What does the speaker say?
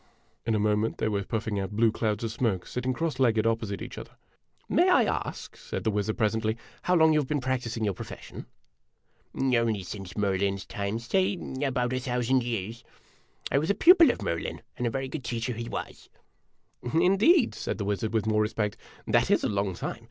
In a moment they were puffing out blue clouds of smoke, sit ting cross legged opposite each other. "May I ask," said the wizard, presently, "how long you have been practising your profession ?"" Only since Merlin's time say about a thousand years. I was a pupil of Merlin, and a very good teacher he was." A DUEL IN A DESERT 41 "Indeed!' 1 said the wizard, with more respect; "that is a long time.